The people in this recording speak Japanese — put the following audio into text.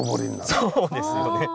そうですよね！